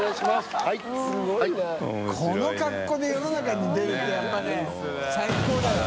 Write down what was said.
この格好で世の中に出るって笋辰僂最高だよ。